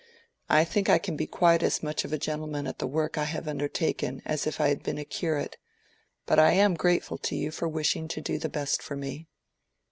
I think I can be quite as much of a gentleman at the work I have undertaken, as if I had been a curate. But I am grateful to you for wishing to do the best for me."